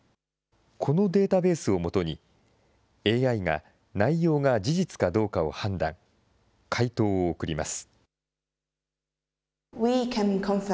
このデータベースを基に、ＡＩが内容が事実かどうかを判断、回答を送ります。